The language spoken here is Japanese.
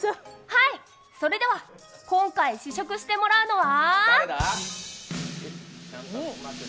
はい、それでは今回試食してもらうのは？